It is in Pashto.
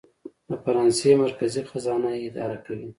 د فرانسې مرکزي خزانه یې اداره کوي.